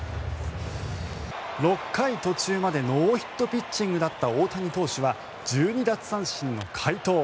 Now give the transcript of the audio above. ６回途中までノーヒットピッチングだった大谷投手は１２奪三振の快投。